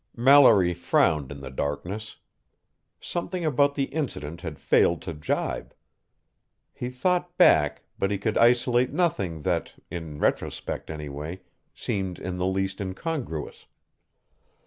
Mallory frowned in the darkness. Something about the incident had failed to jibe. He thought back, but he could isolate nothing that, in retrospect anyway, seemed in the least incongruous.